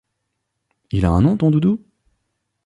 Il a un nom ton doudou ?